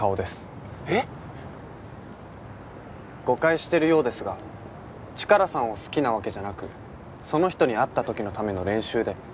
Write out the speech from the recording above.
誤解してるようですがチカラさんを好きなわけじゃなくその人に会った時のための練習で。